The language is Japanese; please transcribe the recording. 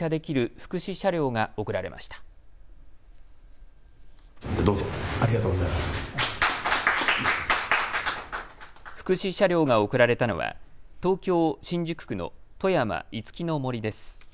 福祉車両が贈られたのは東京新宿区の戸山いつきの杜です。